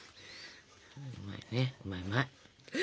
うまいねうまいうまい。